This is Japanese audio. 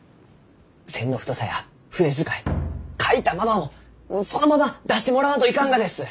線の太さや筆遣い描いたままをそのまま出してもらわんといかんがです！